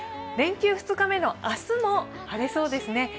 連休２日目の明日も晴れそうですね